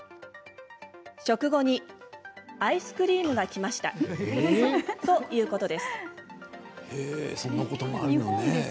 食後にアイスクリームがきましたということです。